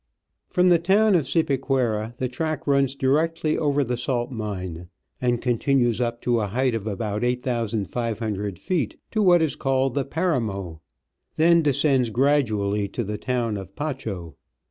From the town of Cipaquira the track runs directly over the salt mine, arid continues up to a height of about 8, soo feet to what is called the Paramo, then descends gradually to the town of Pacho.